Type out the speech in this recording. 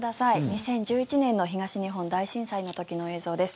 ２０１１年の東日本大震災の時の映像です。